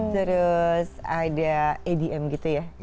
terus ada adm gitu ya